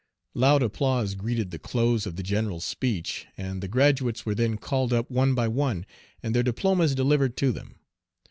Loud applause greeted the close of the general's speech, and the graduates were then called up one by one and Their diplomas delivered to them.